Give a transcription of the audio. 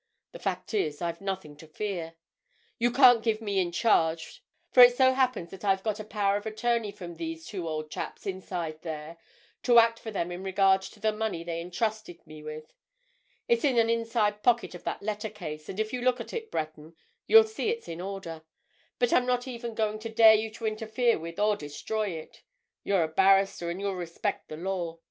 The fact is, I've nothing to fear. You can't give me in charge, for it so happens that I've got a power of attorney from these two old chaps inside there to act for them in regard to the money they entrusted me with. It's in an inside pocket of that letter case, and if you look at it, Breton, you'll see it's in order. I'm not even going to dare you to interfere with or destroy it—you're a barrister, and you'll respect the law.